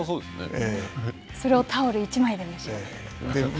それをタオル１枚で召し上がっていたと？